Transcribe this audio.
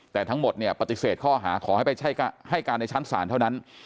แต่ทั้งหมดเนี่ยปฏิเสธข้อหาขอให้ไปให้การในชั้นศาลเท่านั้น